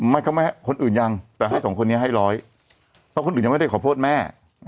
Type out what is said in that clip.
ก็ไม่ให้คนอื่นยังแต่ให้สองคนนี้ให้ร้อยเพราะคนอื่นยังไม่ได้ขอโทษแม่